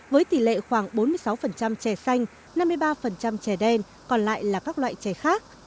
với tỷ lệ khoảng bốn mươi sáu chè xanh năm mươi ba trẻ đen còn lại là các loại chè khác